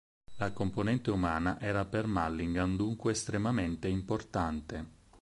La componente umana era per Mulligan dunque estremamente importante.